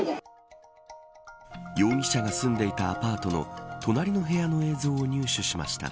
容疑者が住んでいたアパートの隣の部屋の映像を入手しました。